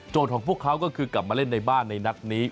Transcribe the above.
ของพวกเขาก็คือกลับมาเล่นในบ้านในนัดนี้